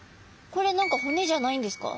これ何か骨じゃないんですか？